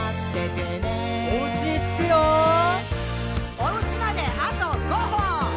「おうちまであと５歩！」